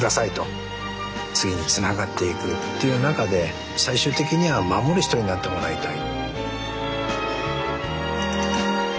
次につながっていくっていう中で最終的には守る人になってもらいたい。